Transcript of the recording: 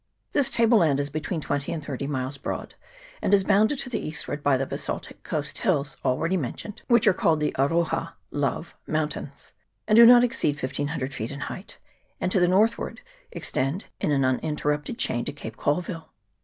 This table land is between twenty and thirty miles broad, and is bounded to the eastward by the basaltic coast hills already mentioned, which are called the Aroha (Love) Mountains, and do not exceed 1500 feet in height, and to the northward extend in an uninter rupted chain to Cape Colville.